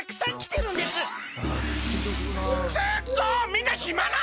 みんなひまなの！？